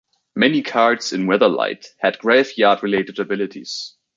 Many cards in "Weatherlight" had graveyard-related abilities.